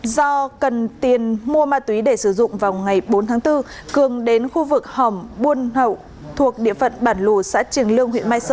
do cần tiền mua ma túy để sử dụng vào ngày bốn tháng bốn cường đến khu vực hồng buôn hậu thuộc địa phận bản lù xã trường lương